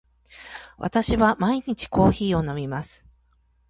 私は毎日コーヒーを飲みます。